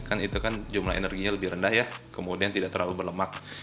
kan itu kan jumlah energinya lebih rendah ya kemudian tidak terlalu berlemak